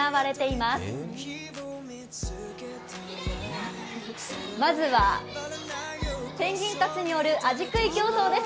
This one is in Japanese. まずはペンギンたちによるあじ食い競争です。